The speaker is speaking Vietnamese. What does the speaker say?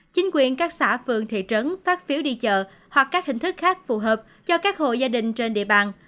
chính quyền các xã phường thị trấn phát phiếu đi chợ hoặc các hình thức khác phù hợp cho các hộ gia đình trên địa bàn